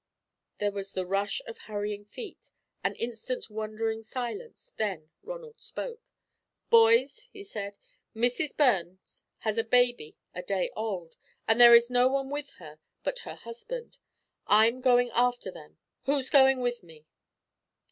There was the rush of hurrying feet, an instant's wondering silence, then Ronald spoke. "Boys," he said, "Mrs. Burns has a baby a day old, and there is no one with her but her husband. I'm going after them who's going with me?"